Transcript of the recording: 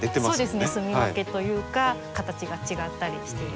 すみ分けというか形が違ったりしている。